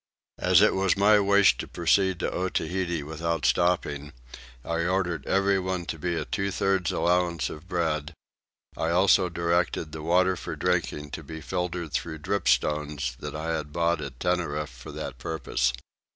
As it was my wish to proceed to Otaheite without stopping I ordered everybody to be at two thirds allowance of bread: I also directed the water for drinking to be filtered though dripstones that I had bought at Tenerife for that purpose.